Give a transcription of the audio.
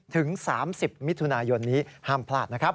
ถึง๓๐มิถุนายนนี้ห้ามพลาดนะครับ